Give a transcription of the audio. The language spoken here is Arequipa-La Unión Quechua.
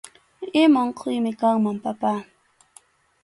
Ima unquymi kanman, papá